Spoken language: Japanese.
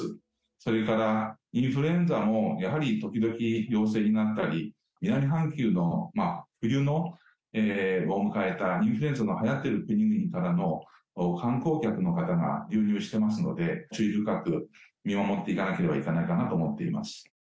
それからインフルエンザも、やはり時々、陽性になったり、南半球の冬を迎えた、インフルエンザがはやってる国々からの観光客の方が流入してますので、注意深く見守っていかなければいけないかなと思っています。